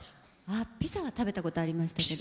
あっピザは食べたことありましたけど。